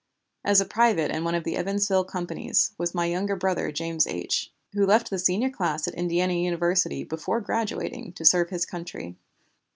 As a private in one of the Evansville companies, was my younger brother James H., who left the senior class at the Indiana University before graduating to serve his country."